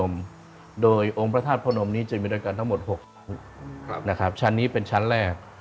องค์ประธาตุพระนมโดยองค์ประธาตุพระนมนี้จะมีรายการทั้งหมด๖ชั้นนี้เป็นชั้นแรก